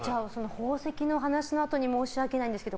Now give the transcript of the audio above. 宝石のお話のあとに申し訳ないですが